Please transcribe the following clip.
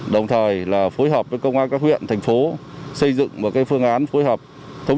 đồng thời phối hợp với công an các huyện thành phố xây dựng một phương án phối hợp thống